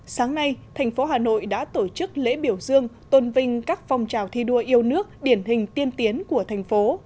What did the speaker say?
sáng nay thành phố hà nội đã tổ chức lễ biểu dương tôn vinh các phong trào thi đua yêu nước điển hình tiên tiến của thành phố